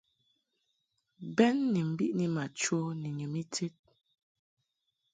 Bɛn ni mbiʼni ma chə ni nyum ited.